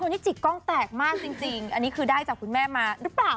นี่จิกกล้องแตกมากจริงอันนี้คือได้จากคุณแม่มาหรือเปล่า